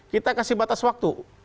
kita kasih batas waktu